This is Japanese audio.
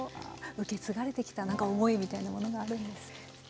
受け継がれてきたなんか思いみたいなものがあるんですね。